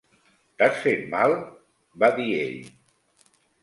"T'has fet mal?" va dir ell.